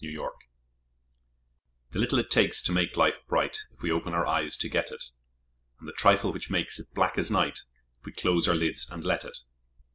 THE CHOICE. The little it takes to make life bright, If we open our eyes to get it! And the trifle which makes it black as night, If we close our lids and let it!